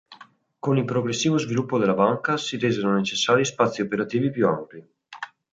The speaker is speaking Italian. Con il progressivo sviluppo della banca, si resero necessari spazi operativi più ampi.